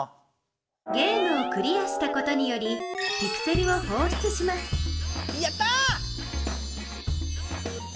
ゲームをクリアしたことによりピクセルをほうしゅつしますやった！